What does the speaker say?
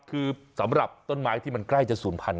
ยืนยันว่าม่อข้าวมาแกงลิงทั้งสองชนิด